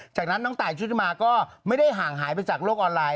จากนั้นน้องตายชุติมาก็ไม่ได้ห่างหายไปจากโลกออนไลน